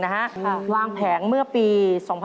หลังแผงเมื่อปี๒๐๑๗